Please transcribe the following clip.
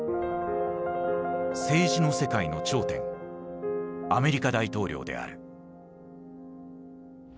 政治の世界の頂点アメリカ大統領である。